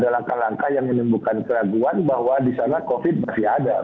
maka langka yang menimbulkan keraguan bahwa di sana covid masih ada